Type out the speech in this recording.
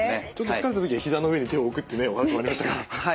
疲れた時には膝の上に手を置くってねお話もありましたから。